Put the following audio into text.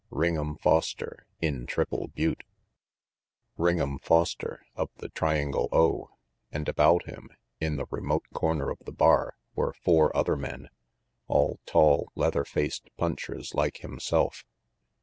Ring'em Foster in Triple Butte! Ring'em Foster of the Triangle O, and about him, RANGY PETE 177 in the remote corner of the bar, were four other men, all tall, leather faced punchers like himself.